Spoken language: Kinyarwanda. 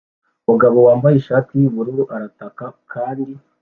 Umugabo wambaye ishati yubururu arataka kandi